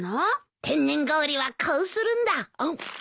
天然氷はこうするんだ。